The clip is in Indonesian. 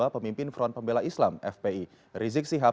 pemimpin front pembela islam fpi rizik sihab